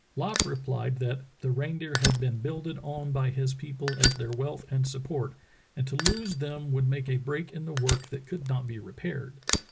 Lopp replied that "the reindeer had been builded on by his people as their wealth and sup port, and to lose them would make a break in the work that could not be repaired.